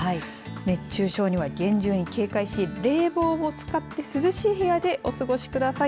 熱中症には厳重に警戒し冷房を使って涼しい部屋でお過ごしください。